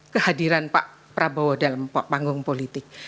kehadiran pak prabowo dalam panggung politik